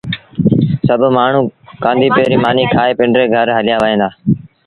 سڀ مآڻهوٚٚݩ ڪآݩڌيپي ريٚ مآݩيٚ کآئي پنڊري گھر هليآ وهيݩ دآ